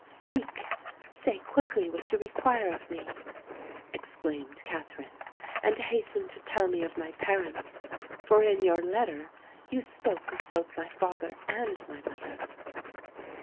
"Speak—say quickly what you require of me," exclaimed Katherine; "and hasten to tell me of my parents—for in your letter you spoke of both my father and my mother."